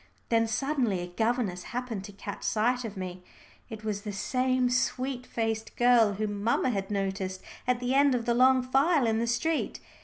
Then suddenly a governess happened to catch sight of me. It was the same sweet faced girl whom mamma had noticed at the end of the long file in the street.